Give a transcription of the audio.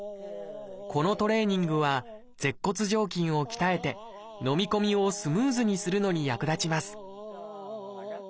このトレーニングは舌骨上筋を鍛えてのみ込みをスムーズにするのに役立ちます